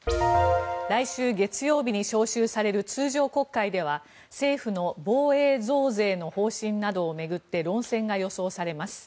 来週月曜日に召集される通常国会では政府の防衛増税の方針などを巡って論戦が予想されます。